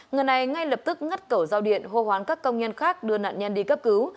người này ngay lập tức ngắt cổ giao điện hô hoán các công nhân khác đưa nạn nhân đi cấp cứu